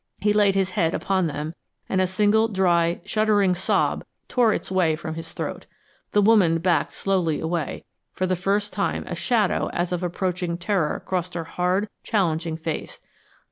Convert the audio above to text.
He laid his head upon them, and a single dry, shuddering sob tore its way from his throat. The woman backed slowly away, and for the first time a shadow as of approaching terror crossed her hard, challenging face.